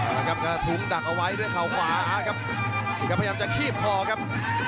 แล้วก็ถุงดักเอาไว้ด้วยขาวขวาครับพยายามจะขี้บคอครับ